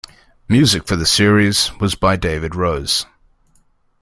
Music for the series was by David Rose.